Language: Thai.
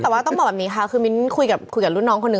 แต่ว่าต้องบอกแบบนี้ค่ะคือมิ้นคุยกับรุ่นน้องคนนึ